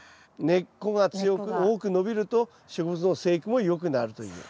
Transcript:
根っこが強く多く伸びると植物の生育もよくなるという。